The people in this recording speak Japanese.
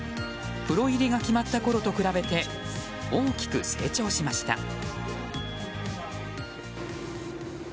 プロ入りが決まったころと比べて大きく成長しました。